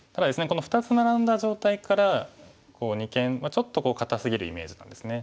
この２つナラんだ状態から二間ちょっと堅すぎるイメージなんですね。